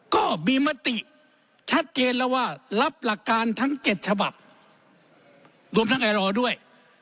ก็มีมติชัดเจนแล้วว่ารับหลักการทั้ง๗ฉบับรวมทั้งไอรอด้วย